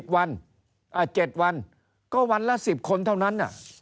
๗วัน๗วันก็วันละ๑๐คนเท่านั้น